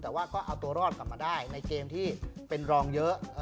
แต่ว่าก็เอาตัวรอดกลับมาได้ในเกมที่เป็นรองเยอะ